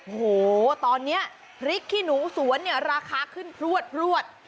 โอ้โหตอนนี้พริกขี้หนูสวนเนี่ยราคาขึ้นพลวด